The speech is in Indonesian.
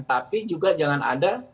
tapi juga jangan ada